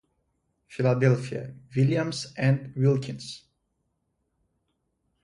Philadelphia: Williams and Wilkins.